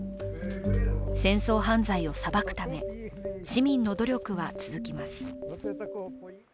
戦争犯罪を裁くため、市民の努力は続きます